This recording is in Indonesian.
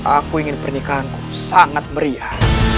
aku ingin pernikahanku sangat meriah